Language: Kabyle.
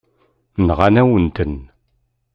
Nɣan-awen-ten.